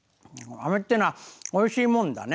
あめっていうのはおいしいもんだね。